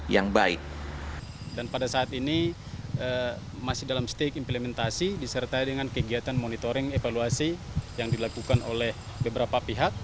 dan pada saat ini masih dalam stik implementasi disertai dengan kegiatan monitoring evaluasi yang dilakukan oleh beberapa pihak